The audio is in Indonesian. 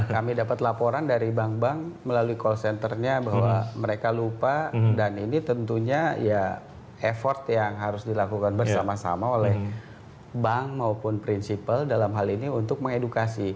kami dapat laporan dari bank bank melalui call centernya bahwa mereka lupa dan ini tentunya ya effort yang harus dilakukan bersama sama oleh bank maupun prinsipal dalam hal ini untuk mengedukasi